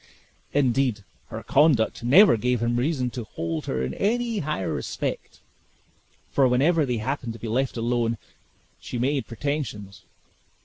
Indeed, her conduct never gave him reason to hold her in any higher respect, for whenever they happened to be left alone, she made pretensions.